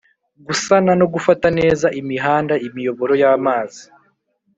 gusana no gufata neza imihanda, imiyoboro y'amazi.